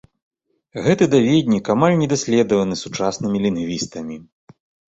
Гэты даведнік амаль не даследаваны сучаснымі лінгвістамі.